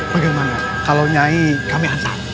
bagaimana kalau nyai kami asah